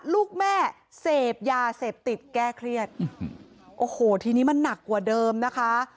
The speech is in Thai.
ลูกแม่เสพยาเสพติดแก้เครียดโอ้โหทีนี้มันหนักกว่าเดิมนะคะ